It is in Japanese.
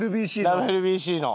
ＷＢＣの。